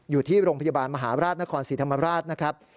อยู่ที่โรงพยาบาลมหาราชนครศรีธรรมราชนะครับ